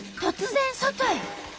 突然外へ。